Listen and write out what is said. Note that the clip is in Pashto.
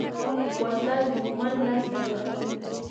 وسله د دوښمن مرسته کوي